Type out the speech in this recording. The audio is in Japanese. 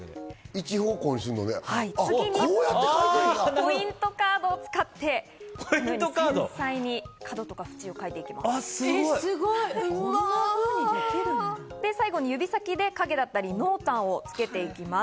次にポイントカードを使って繊細に角とか縁を描いていきます。